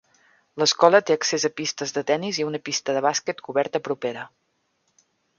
L'escola té accés a pistes de tenis i a una pista de bàsquet coberta propera.